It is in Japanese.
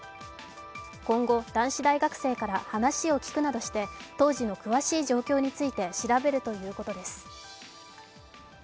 今後、男子大学生から話を聞くなどして当時の詳しい状況について調べるということです。